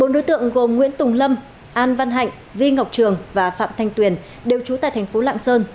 bốn đối tượng gồm nguyễn tùng lâm an văn hạnh vi ngọc trường và phạm thanh tuyền đều trú tại thành phố lạng sơn